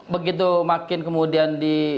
begitu makin kemudian